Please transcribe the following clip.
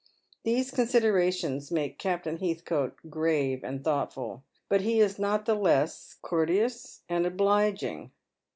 These considerations make Captain Heathcote grave and thoughtful, but he is not the less courteous and obliging.